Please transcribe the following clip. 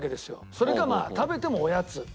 それかまあ食べてもおやつ。